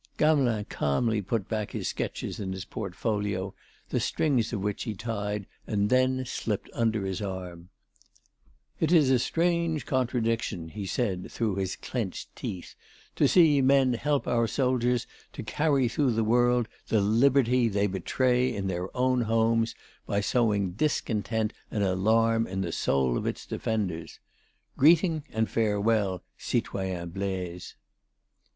Gamelin calmly put back his sketches in his portfolio, the strings of which he tied and then slipped it under his arm. "It is a strange contradiction," he said through his clenched teeth, "to see men help our soldiers to carry through the world the liberty they betray in their own homes by sowing discontent and alarm in the soul of its defenders.... Greeting and farewell, citoyen Blaise."